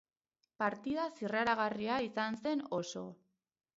Partida zirraragarria izan zen oso.